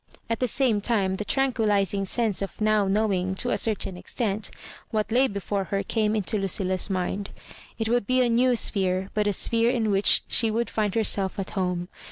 At the same time the tranquilHsing sense of now know ing, to a certain extent, what lay before her came into Lucilla's mind. It would be a new sphere, but a sphere in which she would find herself at home.